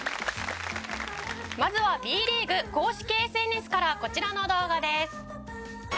「まずはＢリーグ公式ＳＮＳからこちらの動画です」